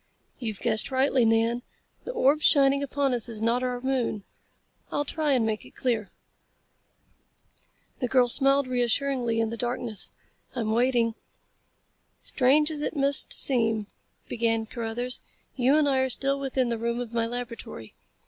"You've guessed rightly, Nan. The orb shining upon us is not our moon. I'll try and make it clear." The girl smiled reassuringly in the darkness. "I'm waiting." "Strange as it must seem," began Carruthers, "you and I are still within the room of my laboratory.